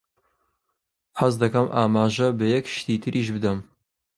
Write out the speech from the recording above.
حەز دەکەم ئاماژە بە یەک شتی تریش بدەم.